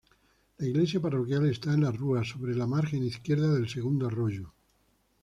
La iglesia parroquial está en la Rúa sobre la margen izquierda del segundo arroyo.